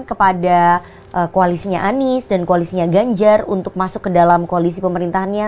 kepada koalisinya anies dan koalisinya ganjar untuk masuk ke dalam koalisi pemerintahnya